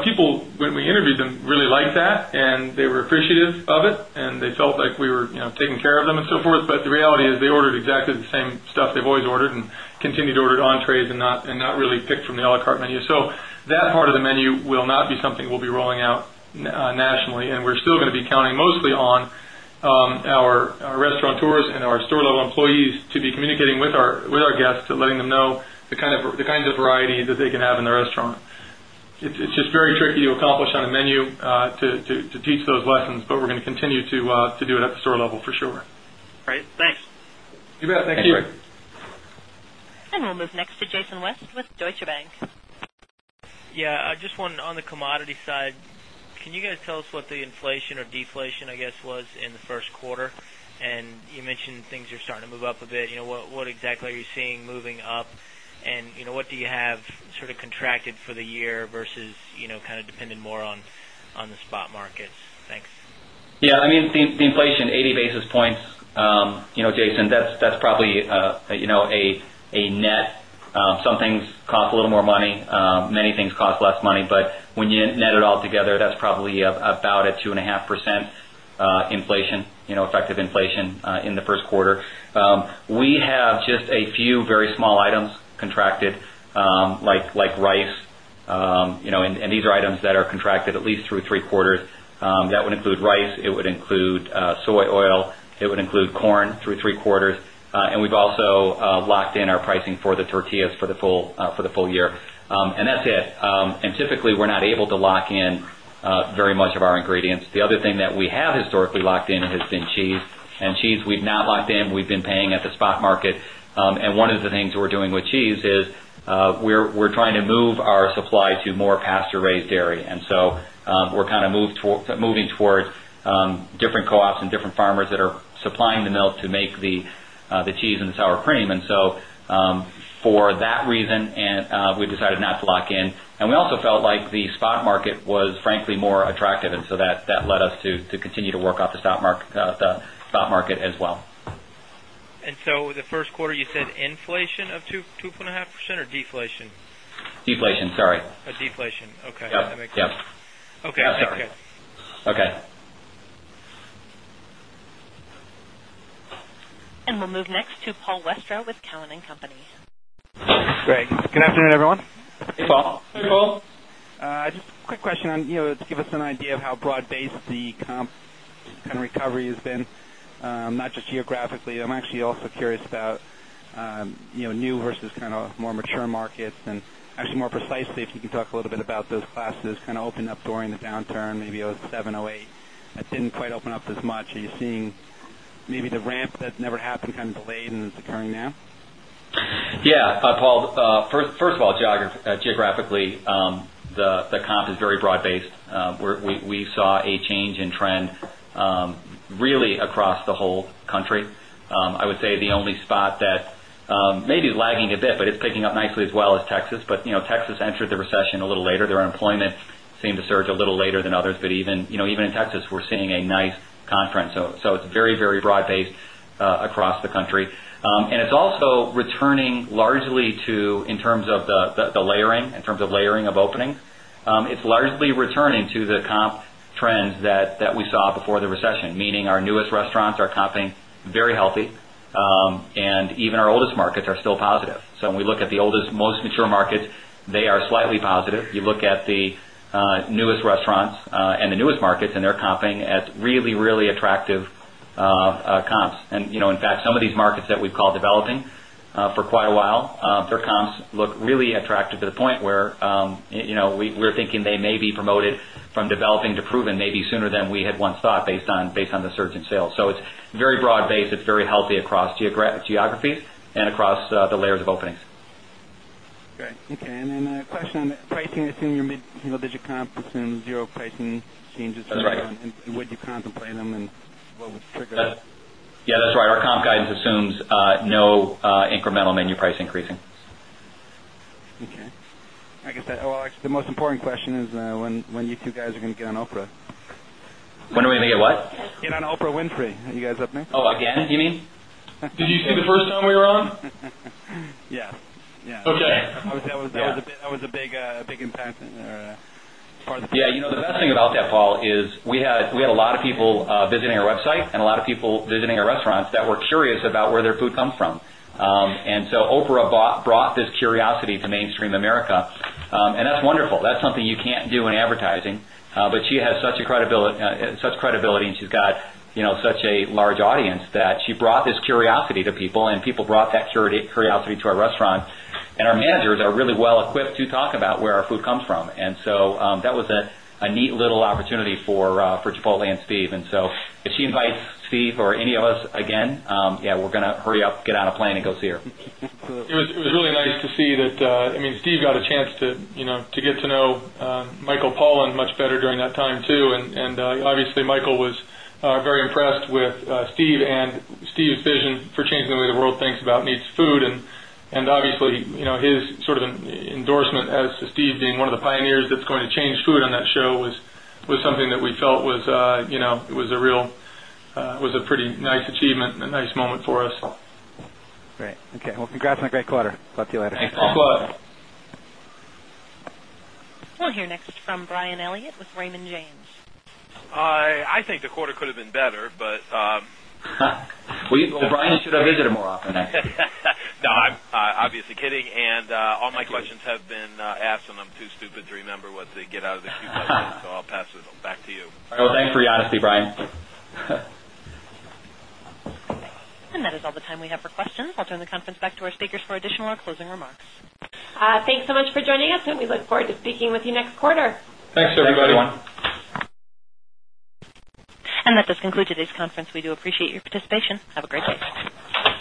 Speaker 2: People when we interviewed them really liked that and they were appreciative of it and they felt like we were taking care of them and so forth. The reality is they ordered exactly the same stuff they've always ordered and continue to order entrees and not really pick from the a la carte menu. So that part of the menu will not be something we'll be rolling out nationally and we're still going to be counting mostly on our restaurant tours and our store level employees to be communicating with our guests to letting them know the kinds of variety that they can have in the restaurant. It's just very tricky to accomplish on a menu to teach those lessons, but we're going to continue to do it at the store level for sure.
Speaker 1: And we'll move next to Jason West with Deutsche Bank.
Speaker 11: Yes. Just one on the commodity side. Can you guys tell us what the inflation or deflation, I guess, was in the Q1? And you mentioned things are starting to move up a bit. What exactly are you seeing moving up? And what do you have sort of contracted for the year versus kind of dependent more on the spot markets? Thanks.
Speaker 3: Yes. I mean, the inflation, 80 basis points, Jason, that's probably a net. Some things cost a little more money, many things cost less money, but when you net it all together, that's probably about a 2.5% inflation, effective inflation in the Q1. We have just a few very small items contracted like rice, and these are items that are contracted at least through 3 quarters. That would include rice, it would include soy oil, it would include corn through 3 quarters. And we've also locked in our pricing for the tortillas for the full year. And that's it. And typically, we're not able to lock in very much of our ingredients. The other thing that we have historically locked in has been cheese. And cheese, we've now locked in. We've been paying at the spot market. And one of the things we're doing with cheese is we're trying to move our supply to more pasture raised dairy. And so we're kind of moving towards different co ops and different farmers that are supplying the milk to make the cheese and sour cream. And so for that reason, we decided not to lock in. And we also felt like the spot market was frankly more attractive, And so that led us to continue to work out the stock market as well.
Speaker 10: And so the Q1 you said inflation of 2.5% or
Speaker 3: deflation? Deflation, sorry.
Speaker 10: Deflation, okay. Yes.
Speaker 2: Okay. Yes, sorry. Okay.
Speaker 1: And we'll move next to Paul Westra with Cowen and Company.
Speaker 10: Great. Good afternoon, everyone.
Speaker 3: Hey, Paul.
Speaker 2: Hey, Paul.
Speaker 10: Just a quick
Speaker 12: question on just give us an idea of how broad based the comp kind of recovery has been, not just geographically. I'm actually also curious about new versus kind of more mature markets and actually more precisely, you can talk a little bit about those classes kind of open up during the downturn, maybe 'seven, 'eight that didn't quite open up as much. Are you seeing maybe the ramp that never happened kind of delayed and occurring now?
Speaker 3: Yes, Paul. First of all, geographically, the comp is very broad based. We saw a change in trend really across the whole country. I would say the only spot that maybe is lagging a bit, but it's picking up nicely as well as Texas, but Texas entered the recession a little later. Their unemployment seemed to surge a little later than others, but even in Texas, we're seeing a nice conference. So, it's very, very broad based across the country. And it's also returning largely to in terms of the layering, in terms of layering of openings. It's largely returning to the comp trends that we saw before the recession, meaning our newest restaurants are comping very healthy and even our oldest markets are still positive. So when we look at the oldest, most mature markets, they are slightly positive. You look at the newest restaurants and the newest markets and they're comping at really, really attractive comps. And in fact, some of these markets that we've called developing for quite a while, their comps look really attractive to the point where we're thinking they may be promoted from developing to proven maybe sooner than we had once thought based on the surge in sales. So it's very broad based, it's very healthy across geographies and across the layers of openings.
Speaker 12: Okay. And then a question on pricing, assume your mid single digit comp assumes 0 pricing changes. That's right. And would you contemplate them and what would trigger that?
Speaker 3: Yes, that's right. Our comp guidance assumes no incremental menu price
Speaker 10: increasing. Okay.
Speaker 12: I guess, the most important question is when you 2 guys are going to get on Oprah.
Speaker 3: When are we going to get what?
Speaker 12: Get on Oprah Winfrey. Are you guys opening?
Speaker 3: Again, you mean? Did you
Speaker 2: say the first time we were on?
Speaker 12: Yes. Okay. That was a big impact. Yes. The best
Speaker 3: thing about that Paul is we had a lot of people visiting our website and a lot of people visiting our restaurants that were curious about where their food come from. And so Oprah brought this curiosity to mainstream America And that's wonderful. That's something you can't do in advertising. But she has such credibility and she's got such a
Speaker 4: comes from. And so, that was a neat
Speaker 3: little opportunity for our food comes from. And so, that was a neat little opportunity for Chipotle and Steve. And so, if she invites Steve or any of us again, yes, we're going to hurry up, get out of plan and go
Speaker 4: see her.
Speaker 2: It was really nice to see that, I mean, Steve got a chance to get to know Michael Pollan much better during that time too. And obviously Michael was very impressed with Steve and Steve's vision for changing the way the world thinks about needs food and obviously his sort of endorsement as Steve being one of the pioneers that's going to change food on that show was something that we felt was a real was a pretty nice achievement and a nice moment for us.
Speaker 1: We'll hear next from Brian Elliott with Raymond James.
Speaker 13: I think the quarter could have been better, but
Speaker 3: Well, Brian, you should have visited more often.
Speaker 13: I'm obviously kidding. And all my collections have been asked and I'm too stupid to remember what they get out of the queue.
Speaker 2: So I'll pass it
Speaker 8: back to you.
Speaker 3: Thanks for your honesty, Brian.
Speaker 1: And that is all the time we have for questions. I'll turn the conference back to our speakers for additional or closing remarks. Thanks so much for joining us and we look forward to speaking with you next quarter.
Speaker 2: Thanks, everybody.
Speaker 1: And that does conclude today's conference. We do appreciate your participation. Have a great day.